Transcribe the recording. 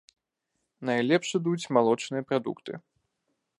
Найлепш ідуць малочныя прадукты.